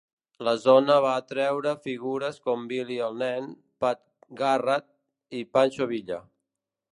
La zona va atreure figures com Billy el Nen, Pat Garrett i Pancho Villa.